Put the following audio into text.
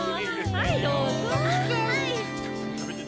はいどうぞ。